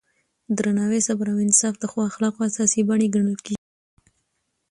درناوی، صبر او انصاف د ښو اخلاقو اساسي بڼې ګڼل کېږي.